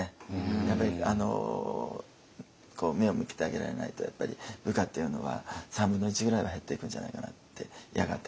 やっぱり目を向けてあげられないと部下っていうのは３分の１ぐらいは減っていくんじゃないかなってやがて。